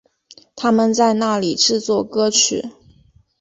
他们在那里制作歌曲。